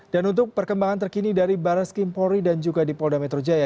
dan untuk perkembangan terkini dari barres kimpori dan juga di polda metro jaya